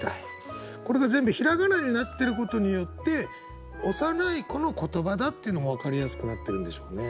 これが全部ひらがなになってることによって幼い子の言葉だっていうのも分かりやすくなってるんでしょうね。